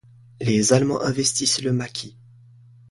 Les allemands investissent le maquis.